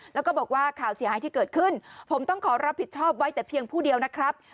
แล้วก็บอกว่าข่าวเสียหายที่เกิดขึ้นผมต้องขอรับผิดชอบไว้แต่เพียงผู้เดียวนะครับ